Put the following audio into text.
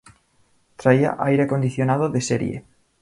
Traía aire acondicionado de serie.